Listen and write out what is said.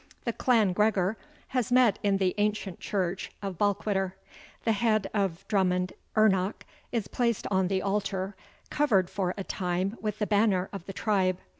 The Clan Gregor has met in the ancient church of Balquidder. The head of Drummond Ernoch is placed on the altar, covered for a time with the banner of the tribe.